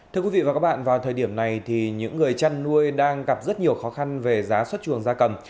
thưa quý vị và các bạn vào thời điểm này thì những người chăn nuôi đang gặp rất nhiều khó khăn về giá xuất chuồng gia cầm